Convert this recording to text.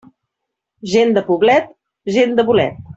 Gent de poblet, gent de bolet.